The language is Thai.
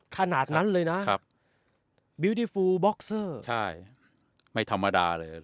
ขนาดนั้นเลยนะครับบิวดี้ฟูลบ็อกเซอร์ใช่ไม่ธรรมดาเลย